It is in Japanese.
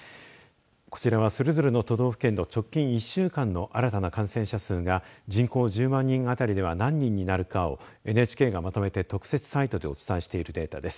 こちらは、それぞれの都道府県の直近１週間の新たな感染者数が人口１０万人あたりでは何人になるかをＮＨＫがまとめて特設サイトでお伝えしているデータです。